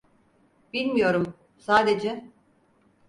Bilmiyorum, sadece…